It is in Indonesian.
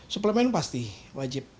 suplemen pasti wajib